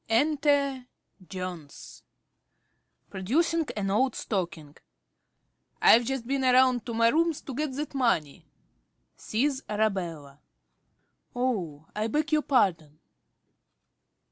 Enter Jones. ~Jones~ (producing an old stocking). I've just been round to my rooms to get that money (sees Arabella) oh, I beg your pardon.